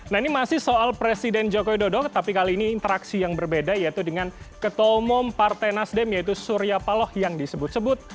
nah ini masih soal presiden joko widodo tapi kali ini interaksi yang berbeda yaitu dengan ketua umum partai nasdem yaitu surya paloh yang disebut sebut